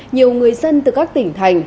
nhiều người dân từ các tỉnh thành